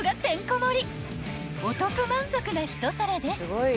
［お得満足な一皿です］